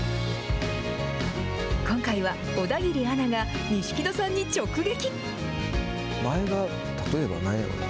今回は小田切アナが、錦戸さんに直撃。